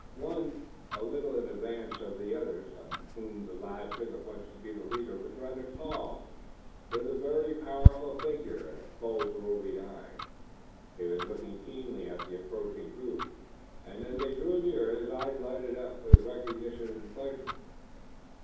One, a little in advance of the others, and whom the lad took at once to be the leader, was rather tall, with a very powerful figure and a bold, roving eye. He was looking keenly at the approaching group and as they drew near his eyes lighted up with recognition and pleasure.